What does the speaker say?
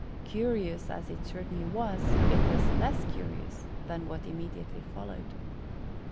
Curious as it certainly was, it was less curious than what immediately followed.